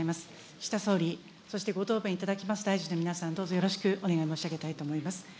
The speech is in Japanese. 岸田総理、そしてご答弁いただきました大臣の皆さん、どうぞよろしくお願い申し上げたいと思います。